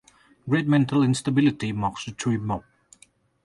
Great mental instability marks the true mob.